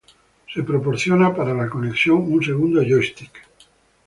Se proporciona para la conexión un segundo joystick.